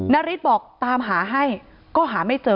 นาริสบอกตามหาให้